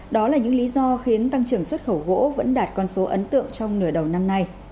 đó là những lý do khiến tăng trưởng xuất khẩu gỗ vẫn đạt con số ấn tượng trong nửa đầu năm nay